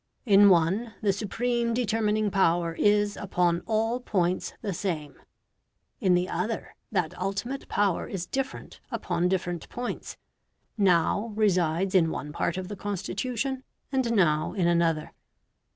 In one the supreme determining power is upon all points the same: in the other, that ultimate power is different upon different points now resides in one part of the Constitution and now in another.